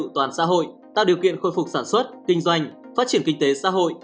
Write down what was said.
toàn xã hội tạo điều kiện khôi phục sản xuất kinh doanh phát triển kinh tế xã hội